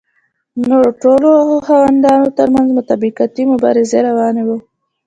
نورو ټولنو او خاوندانو ترمنځ طبقاتي مبارزه روانه وه.